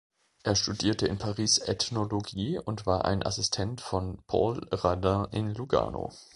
Er studierte in Paris Ethnologie und war ein Assistent von Paul Radin in Lugano.